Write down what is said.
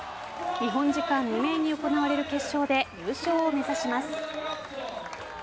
日本時間未明に行われる決勝で優勝を目指します。